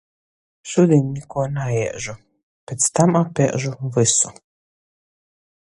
Šudiņ nikuo naiežu. piec tam apiežu vysu